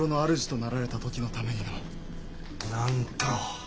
なんと。